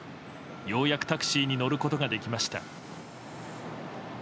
ようやくタクシーに乗ることができました。